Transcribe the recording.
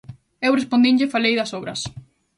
Eu respondinlle e falei das obras.